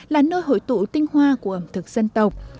là nơi hội tụ tinh hoa của ẩm thực dân tộc